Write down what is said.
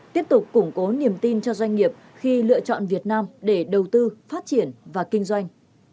tiếp tục củng cố niềm tin cho doanh nghiệp khi lựa chọn việt nam để đầu tư phát triển và kinh doanh